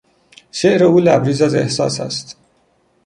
شعر او لبریز از احساس است.